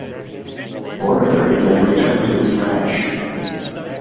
Bordaberry then returned to his ranch.